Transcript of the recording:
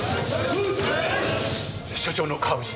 署長の川渕です。